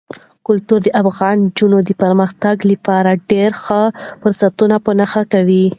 کلتور د افغان نجونو د پرمختګ لپاره ډېر ښه فرصتونه په نښه کوي.